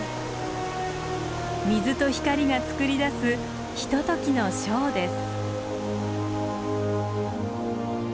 水と光がつくり出すひとときのショーです。